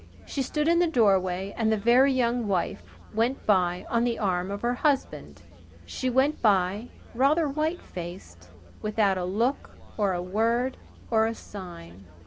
She stood in the doorway and the Very Young Wife went by on the arm of her husband. She went by rather white faced without a look or a word or a sign!